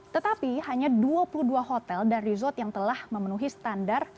tetapi hanya dua puluh dua hotel dan resort yang telah memenuhi standar